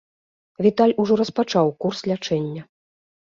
Віталь ужо распачаў курс лячэння.